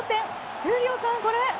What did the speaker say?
闘莉王さん、これ。